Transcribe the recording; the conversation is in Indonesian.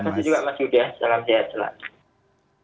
terima kasih juga mas yuda salam sehat selalu